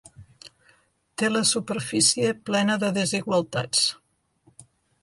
Té la superfície plena de desigualtats.